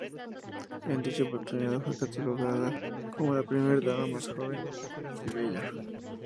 En dicha oportunidad fue catalogada como la primera dama más joven y bella.